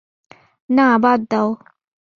না, বাদ দাও।